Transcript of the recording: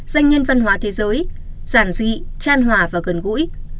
danh nhân văn hóa thế giới giản dị tràn hòa và gần gũi